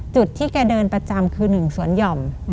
จุดที่แกเดินประจำคือ๑สวนหย่อม